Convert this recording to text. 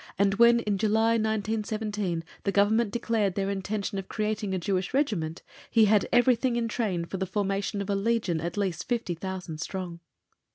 and when, in July, 1917, the Government declared their intention of creating a Jewish Regiment, he had everything in train for the formation of a legion at least 50,000 strong.